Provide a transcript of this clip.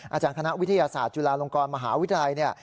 อาจารย์คณะวิทยาศาสตร์จุฬาลงกรมหาวิทยาลัยเนี่ย